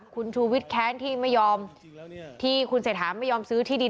คุณชูวิทย์แค้นที่ไม่ยอมที่คุณเศรษฐาไม่ยอมซื้อที่ดิน